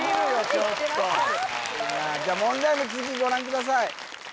ちょっとじゃあ問題の続きご覧ください